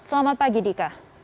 selamat pagi dika